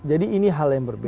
jadi ini hal yang berbeda